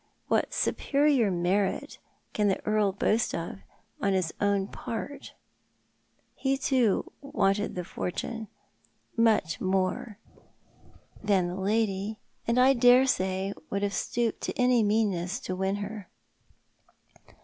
What superior merit can the Earl boast of on his own part? lie too wanted the fortune much moro than i:«e 282 Tho2t art the Man. lady, and I daresay would have stooped to any meanness to win her.